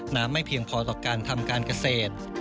ไม่เพียงพอต่อการทำการเกษตร